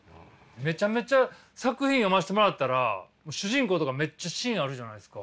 めちゃめちゃ作品読ませてもらったらもう主人公とかめっちゃ芯あるじゃないですか。